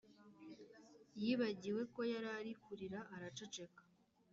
Yibagiwe ko yarari kurira araceceka